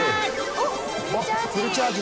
おっフルチャージ！